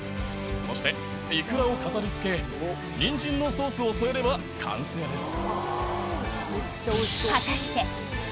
そしてイクラを飾りつけニンジンのソースを添えれば完成です。